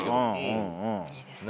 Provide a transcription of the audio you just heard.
いいですね。